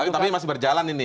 tapi masih berjalan ini